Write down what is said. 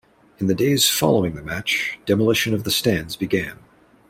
In the days following the match, demolition of the stands began.